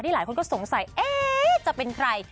ที่หลายคนก็สงสัยเอ๊ะจะเป็นใคร